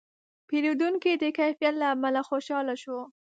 پیرودونکی د کیفیت له امله خوشاله شو.